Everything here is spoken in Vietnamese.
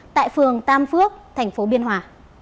tại phường tam phước thành phố biên hòa